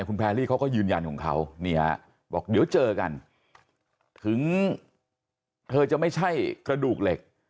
คุณแพรรี่เขาก็ยืนยันของเขานี่ฮะบอกเดี๋ยวเจอกันถึงเธอจะไม่ใช่กระดูกเหล็ก